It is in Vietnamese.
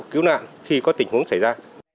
cứu nạn khi có tình huống xảy ra